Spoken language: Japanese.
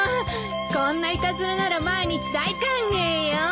こんないたずらなら毎日大歓迎よ。